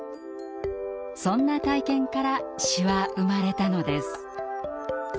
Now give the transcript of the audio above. そんな体験から詩は生まれたのです。